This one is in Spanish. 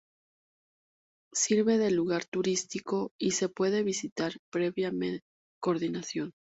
Sirve de lugar turístico y se puede visitar previa coordinación.